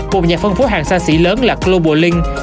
một nhà phân phố hàng xa xỉ lớn là global link